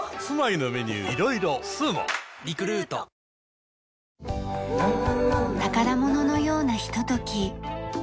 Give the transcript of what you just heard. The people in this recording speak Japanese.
続く宝物のようなひととき。